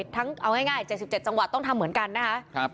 ทั้งเอาง่าย๗๗จังหวัดต้องทำเหมือนกันนะคะ